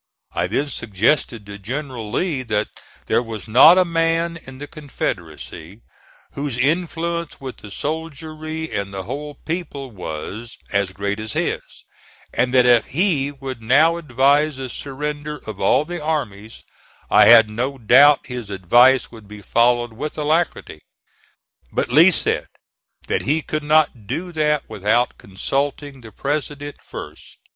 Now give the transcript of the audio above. I then suggested to General Lee that there was not a man in the Confederacy whose influence with the soldiery and the whole people was as great as his, and that if he would now advise the surrender of all the armies I had no doubt his advice would be followed with alacrity. But Lee said, that he could not do that without consulting the President first.